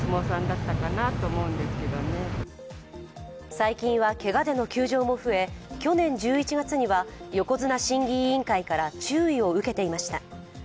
最近はけがでの休場も増え、去年１１月には横綱審議委員会から注意を受けていました。